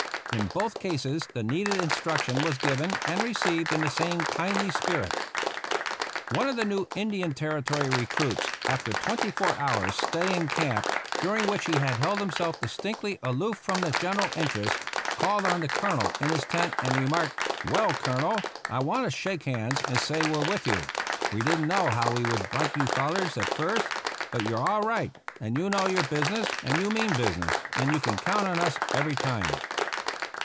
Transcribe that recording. In both cases the needed instruction was given and received in the same kindly spirit. One of the new Indian Territory recruits, after 30 RAISING THE REGIMENT twenty four hours' stay in camp, during which he had held himself distinctly aloof from the general interests, called on the Colonel in his tent, and re marked, " Well, Colonel, I want to shake hands and say we're with you. We didn't know how we would like you fellars at first ; but you're all right, and you know your business, and you mean business, and you can count on us every time